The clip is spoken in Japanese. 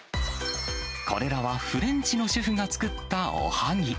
これらはフレンチのシェフが作ったおはぎ。